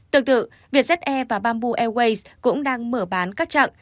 tương tự vietjet air và bamboo airways cũng đang mở bán các chặng